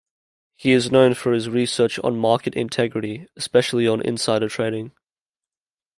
He is known for his research on market integrity, especially on insider trading.